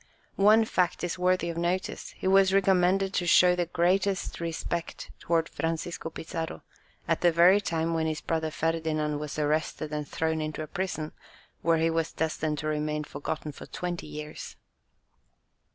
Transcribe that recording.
One fact is worthy of notice; he was recommended to show the greatest respect towards Francisco Pizarro, at the very time when his brother Ferdinand was arrested and thrown into a prison, where he was destined to remain forgotten for twenty years.